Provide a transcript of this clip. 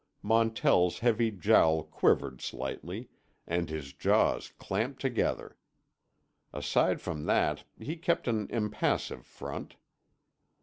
Montell's heavy jowl quivered slightly, and his jaws clamped together. Aside from that he kept an impassive front.